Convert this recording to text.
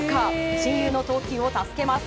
親友の投球を助けます。